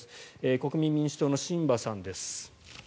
国民民主党の榛葉さんです。